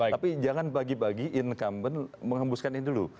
tapi jangan pagi pagi incumbent mengembuskan ini dulu